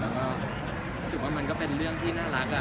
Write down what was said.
แล้วก็รู้สึกว่ามันก็เป็นเรื่องที่น่ารัก